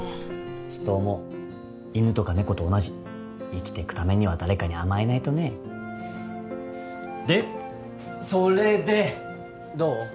人も犬とか猫と同じ生きてくためには誰かに甘えないとねでそれでどう？